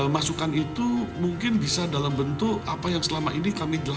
masukan itu mungkin bisa dalam bentuk apa yang selama ini kami jelaskan